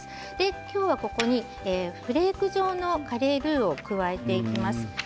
今日は、ここにフレーク状のカレールーを加えていきます。